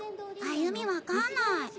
歩美分かんない。